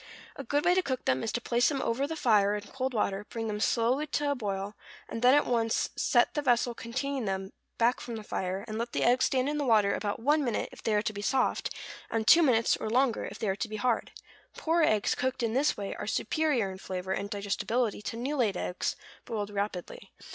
A good way to cook them is to place them over the fire in cold water, bring them slowly to a boil, and then at once set the vessel containing them back from the fire, and let the eggs stand in the water about one minute if they are to be soft, and two minutes, or longer, if they are to be hard. Poor eggs cooked in this way are superior in flavor and digestibility to new laid eggs boiled rapidly.